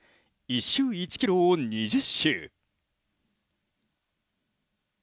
１周１ｋｍを２０周。